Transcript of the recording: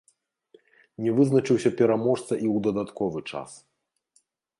Не вызначыўся пераможца і ў дадатковы час.